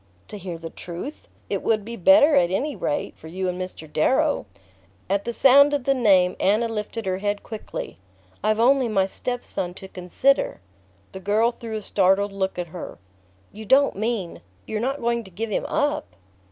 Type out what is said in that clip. "To hear the truth? It would be better, at any rate, for you and Mr. Darrow." At the sound of the name Anna lifted her head quickly. "I've only my step son to consider!" The girl threw a startled look at her. "You don't mean you're not going to give him up?"